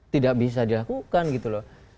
tidak bisa dilakukan gitu loh